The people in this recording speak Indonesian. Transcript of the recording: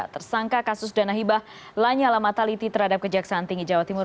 tersangka kasus dana hibah lanyala mataliti terhadap kejaksaan tinggi jawa timur